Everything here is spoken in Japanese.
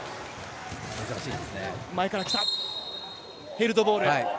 ヘルドボール。